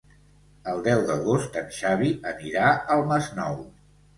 El deu d'agost en Xavi anirà al Masnou.